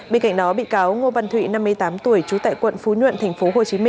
bên cạnh đó bị cáo ngô văn thụy năm mươi tám tuổi trú tại quận phú nhuận tp hcm